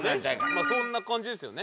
まあそんな感じですよね。